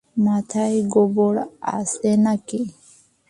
মাথায় গোবর আছে না কি?